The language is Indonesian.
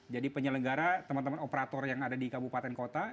jadi penyelenggara teman teman operator yang ada di kabupaten kota